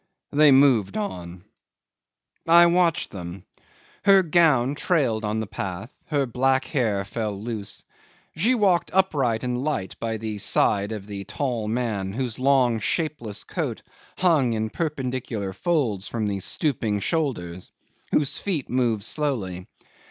They moved on. 'I watched them. Her gown trailed on the path, her black hair fell loose. She walked upright and light by the side of the tall man, whose long shapeless coat hung in perpendicular folds from the stooping shoulders, whose feet moved slowly.